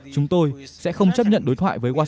chúng tôi sẽ không chấp nhận đối thoại với quốc gia